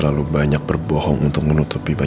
kamu gak seharusnya minta maaf